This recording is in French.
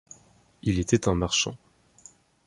Il était un marchand.